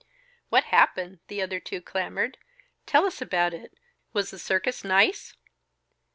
"What happened?" the other two clamored. "Tell us about it! Was the circus nice?"